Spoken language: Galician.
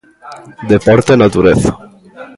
Deporte e natureza.